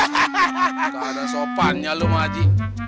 tidak ada sopannya lu pak haji